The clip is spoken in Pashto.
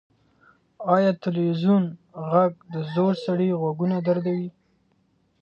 ایا د تلویزیون غږ د زوړ سړي غوږونه دردوي؟